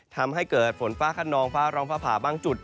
ทำให้เกิดฝนฟ้าขนองฟ้าร้องฟ้าผ่าบางจุด